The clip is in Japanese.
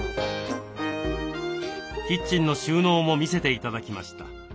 キッチンの収納も見せて頂きました。